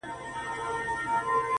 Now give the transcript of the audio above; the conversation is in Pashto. زه ګرم نه یم دا زما زړه لېونی دی!!